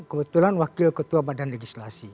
kebetulan wakil ketua badan legislasi